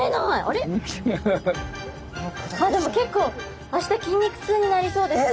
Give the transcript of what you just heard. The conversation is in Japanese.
でも結構明日筋肉痛になりそうです。